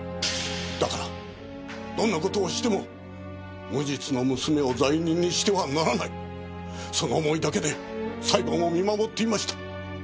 だからどんな事をしても無実の娘を罪人にしてはならないその思いだけで裁判を見守っていました。